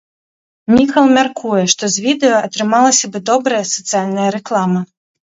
Міхал мяркуе, што з відэа атрымалася бы добрая сацыяльная рэклама.